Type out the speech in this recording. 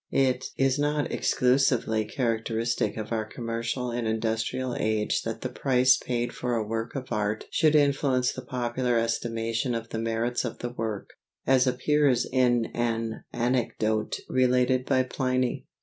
It is not exclusively characteristic of our commercial and industrial age that the price paid for a work of art should influence the popular estimation of the merits of the work, as appears in an anecdote related by Pliny.